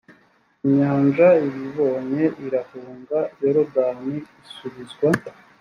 inyanja ibibonye irahunga yorodani isubizwa